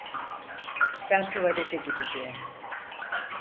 Ben tuvalete gideceğim.